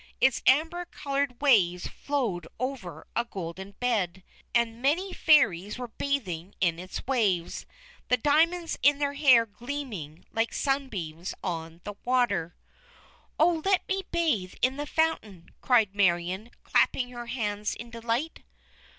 Its amber coloured waves flowed over a golden bed, and many Fairies were bathing in its waves, the diamonds in their hair gleaming like sunbeams on the water. "Oh, let me bathe in the Fountain!" cried Marion, clapping her hands in delight.